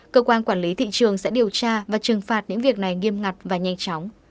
cơ quan quản lý thị trường sẽ điều tra và trừng phạt những việc này nghiêm ngặt và nhanh chóng